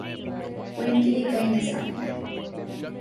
وہ ان کے لیے کئی نذرانے لائے